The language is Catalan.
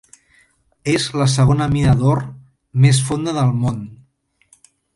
És la segona mina d'or més fonda del món.